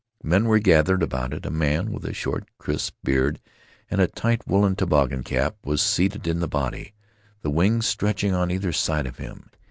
Men were gathered about it. A man with a short, crisp beard and a tight woolen toboggan cap was seated in the body, the wings stretching on either side of him.